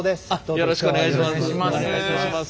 よろしくお願いします。